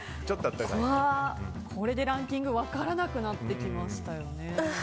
これでランキング分からなくなってきましたよね。